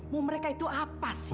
mau mereka itu apa sih